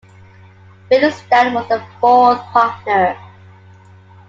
Winningstad was the fourth partner.